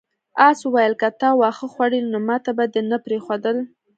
آس وویل که تا واښه خوړلی نو ماته به دې نه پریښودل.